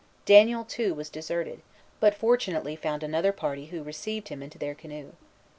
Daniel, too, was deserted, but fortunately found another party who received him into their canoe.